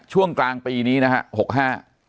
ช่วงกลางปีนี้นะฮะ๖๕